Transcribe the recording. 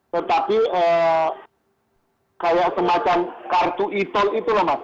tetapi kayak semacam kartu e toll itu loh mas